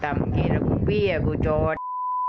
มันกินแล้วกูเบี้ยกูโจทย์